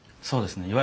そうですね。